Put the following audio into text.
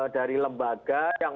dari lembaga yang